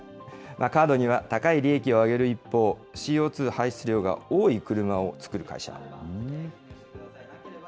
カードには、高い利益を上げる一方、ＣＯ２排出量が多い車を作る会社だと。